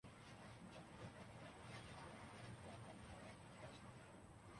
نہ محکوم وہ خواب دیکھتے ہیں کہ:''اب راج کرے گی۔